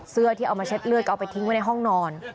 เสื้อที่เอามาเช็ดเลือดก็เอาไปทิ้งไว้ในห้องนอน